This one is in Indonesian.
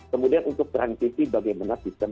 kemudian untuk transisi bagaimana sistem